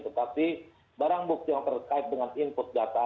tetapi barang bukti yang terkait dengan input data